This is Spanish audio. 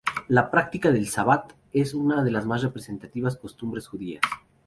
La práctica del sabbat es una de las más representativas costumbres judías.